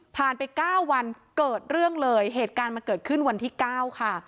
ไป๙วันเกิดเรื่องเลยเหตุการณ์มันเกิดขึ้นวันที่๙ค่ะ